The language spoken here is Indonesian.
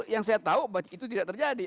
yang saya tahu itu tidak terjadi